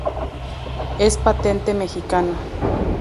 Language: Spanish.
Es patente mexicana.